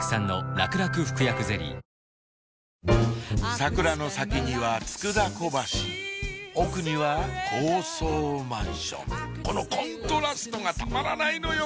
桜の先には佃小橋奥には高層マンションこのコントラストがたまらないのよ